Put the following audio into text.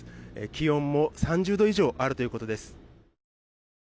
気温も３０度以上あるということです。